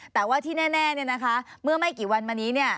แต่ว่าที่แน่เนี่ยนะคะเมื่อไม่กี่วันมานี้เนี่ย